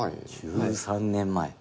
１３年前？